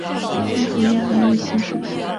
现属于梅尔辛省。